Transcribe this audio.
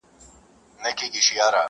ستا شامت به مي په پاکو وینو کښېوزي!!